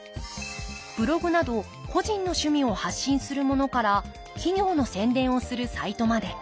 ブログなど個人の趣味を発信するものから企業の宣伝をするサイトまで。